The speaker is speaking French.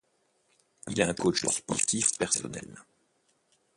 Il a un coach sportif personnel.